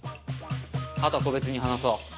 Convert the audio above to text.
あとは個別に話そう。